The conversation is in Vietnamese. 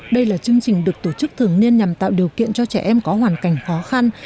đây là chương trình được tổ chức thường niên nhằm tạo điều kiện cho trẻ em có hoàn cảnh khó khăn